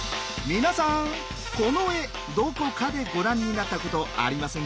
皆さんこの絵どこかでご覧になったことありませんか？